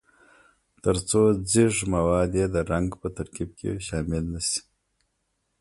ترڅو ځیږ مواد یې د رنګ په ترکیب کې شامل نه شي.